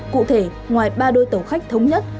cụ thể ngoài ba đôi tàu khách thống nhất